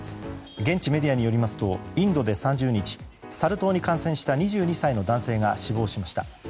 現地メディアによりますとインドで３０日サル痘に感染した２２歳の男性が死亡しました。